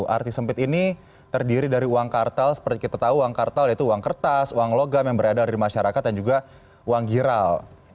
arti sempit ini terdiri dari uang kartal seperti kita tahu uang kartal yaitu uang kertas uang logam yang beredar di masyarakat dan juga uang giral